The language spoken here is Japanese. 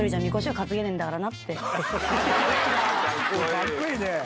かっこいいね。